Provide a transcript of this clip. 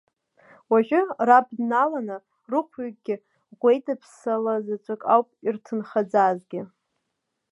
Уажәы, раб дналаны, рыхәҩыкгьы, ӷәеидыԥсала заҵәык ауп ирҭынхаӡазгьы!